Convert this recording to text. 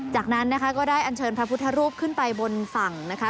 จากนั้นนะคะก็ได้อันเชิญพระพุทธรูปขึ้นไปบนฝั่งนะคะ